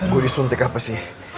gue disuntik apa sih